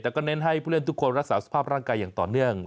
แต่ก็เน้นให้ผู้เล่นทุกคนรักษาสภาพร่างกายอย่างต่อเนื่อง